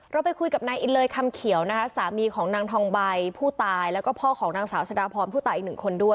ไปคุยกับนายอินเลยคำเขียวนะคะสามีของนางทองใบผู้ตายแล้วก็พ่อของนางสาวชะดาพรผู้ตายอีกหนึ่งคนด้วย